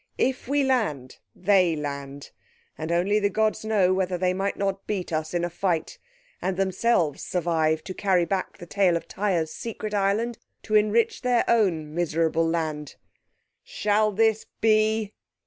If we land, they land, and only the gods know whether they might not beat us in fight, and themselves survive to carry back the tale of Tyre's secret island to enrich their own miserable land. Shall this be?"